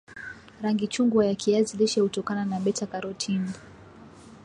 rangi chungwa ya kiazi lishe hutokana na beta karotini